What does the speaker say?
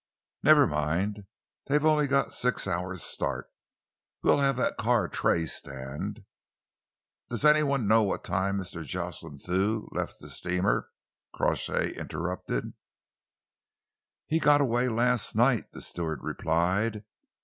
Never mind, they've only got six hours' start. We'll have that car traced, and " "Does any one know what time Mr. Jocelyn Thew left the steamer?" Crawshay interrupted. "He got away last night," the steward replied.